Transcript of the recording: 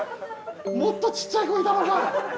もっとちっちゃい子いたのか。